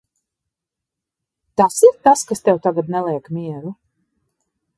Tas ir tas, kas tev tagad neliek mieru?